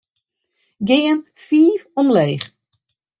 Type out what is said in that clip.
Gean fiif omleech.